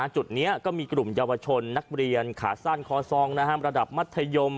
จุดนี้ก็มีกลุ่มเยาวชนนักเรียนขาสั้นคอซองระดับมัธยม